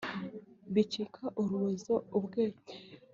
bikica urubozo ubwenge